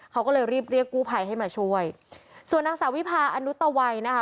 เขาก็เลยรีบเรียกกู้ภัยให้มาช่วยส่วนนางสาววิพาอนุตวัยนะคะ